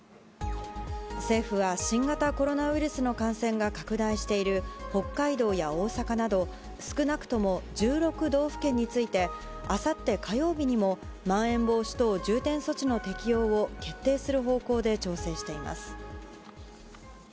政府は新型コロナウイルスの感染が拡大している北海道や大阪など少なくとも１６道府県についてあさって火曜日にもまん延防止等重点措置の適用を決定する方向で調整しています。